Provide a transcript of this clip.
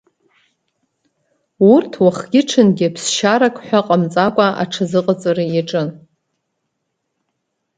Урҭ уахгьы-ҽынгьы ԥсшьарак ҳәа ҟамҵакәа аҽазыҟаҵара иаҿын.